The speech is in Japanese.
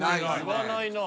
言わないな。